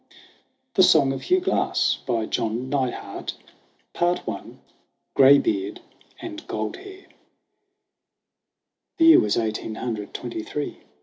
THE SONG OF HUGH GLASS SONG OF HUGH GLASS GRAYBEARD AND GOLDHAIR The year was eighteen hundred twenty three.